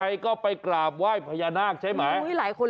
ใครก็ไปกราบไหว้พญานาคใช่ไหม